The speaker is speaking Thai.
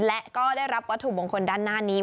และก็ได้รับวัตถุมงคลด้านหน้านี้